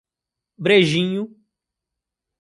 Brejinho